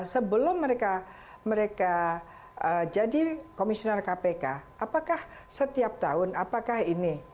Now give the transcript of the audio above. sebelum mereka jadi komisioner kpk apakah setiap tahun apakah ini